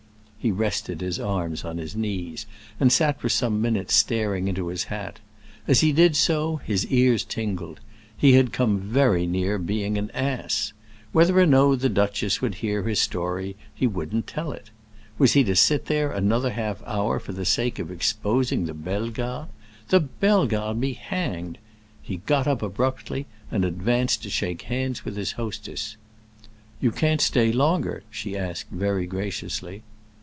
He rested his arms on his knees, and sat for some minutes staring into his hat. As he did so his ears tingled—he had come very near being an ass. Whether or no the duchess would hear his story, he wouldn't tell it. Was he to sit there another half hour for the sake of exposing the Bellegardes? The Bellegardes be hanged! He got up abruptly, and advanced to shake hands with his hostess. "You can't stay longer?" she asked very graciously.